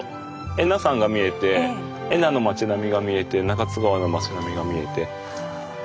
恵那山が見えて恵那の町並みが見えて中津川の町並みが見えて。